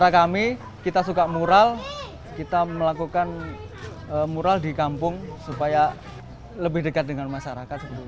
cara kami kita suka mural kita melakukan mural di kampung supaya lebih dekat dengan masyarakat